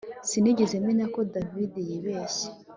Sinigeze menya ko David yibeshye